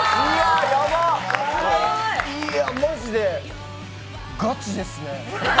いやマジでガチですね。